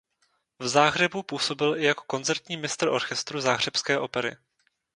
V Záhřebu působil i jako koncertní mistr orchestru záhřebské opery.